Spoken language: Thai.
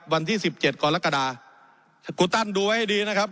วันที่สิบเจ็ดกรกฎากูตันดูไว้ให้ดีนะครับ